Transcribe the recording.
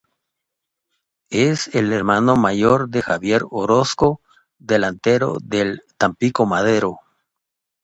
Es el hermano mayor de Javier Orozco delantero del Tampico Madero.